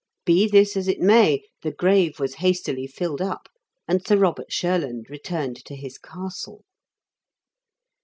Be this as it may, the grave was hastily filled up, and Sir Robert Shurland returned to his castle.